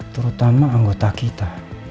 terutama anggota kita